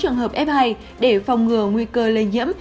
sáu trường hợp f một sáu trường hợp f hai để phòng ngừa nguy cơ lây nhiễm